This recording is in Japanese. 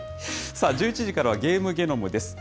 さあ、１１時からはゲームゲノムです。